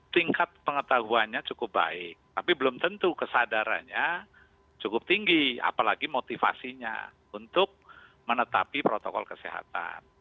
tingkat pengetahuannya cukup baik tapi belum tentu kesadarannya cukup tinggi apalagi motivasinya untuk menetapi protokol kesehatan